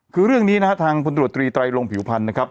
คือเรื่องนี้นะฮะทางพลตรวจตรีไตรลงผิวพันธ์นะครับ